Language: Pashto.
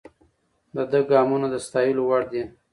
د ده ګامونه د ستایلو وړ دي.